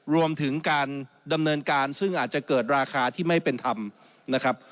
รวมถึงการดำเนินการซึ่งอาจจะเกิดราคาที่ไม่เป็นธรรมนะครับ